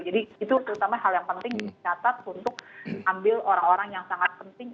jadi itu terutama hal yang penting di catat untuk ambil orang orang yang sangat penting